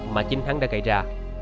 mà chính hắn đã gây ra